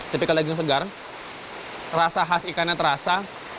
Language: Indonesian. tapi kalau yang segar rasa khas ikannya terasa